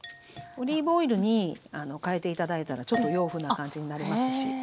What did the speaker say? オリーブオイルに変えて頂いたらちょっと洋風な感じになりますし。